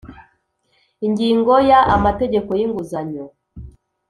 Ingingo ya Amategeko y inguzanyo